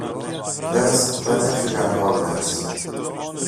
Δες, δεν έφυγαν όλες